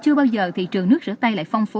chưa bao giờ thị trường nước rửa tay lại phong phú